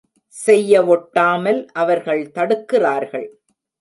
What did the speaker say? செய்யவொட்டாமல் அவர்கள் தடுக்கிறார்கள்.